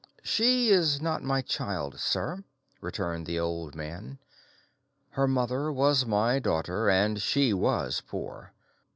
"She is not my child, sir," returned the old man. "Her mother was my daughter, and she was poor.